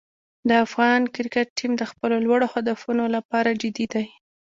د افغان کرکټ ټیم د خپلو لوړو هدفونو لپاره جدي دی.